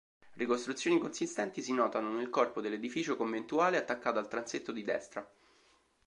Ricostruzioni consistenti si notano nel corpo dell'edificio conventuale attaccato al transetto di destra.